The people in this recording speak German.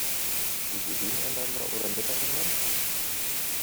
Spielt ihr gegeneinander oder miteinander?